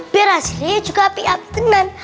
biar hasilnya juga api api tenang